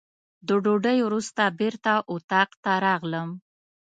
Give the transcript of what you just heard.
د ډوډۍ وروسته بېرته اتاق ته راغلم.